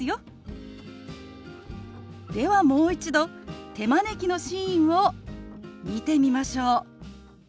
ではもう一度手招きのシーンを見てみましょう。